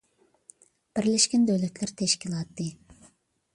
بىرلەشكەن دۆلەتلەر تەشكىلاتى